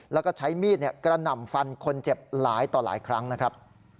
แล้วก็ใช้มีดกระหน่ำฟันคนเจ็บหลายต่อหลายครั้งนะครับ